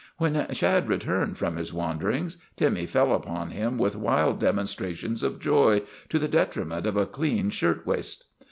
When Shad returned from his wanderings, Timmy fell upon him with wild demonstrations of joy, to the detriment of a clean shirt waist.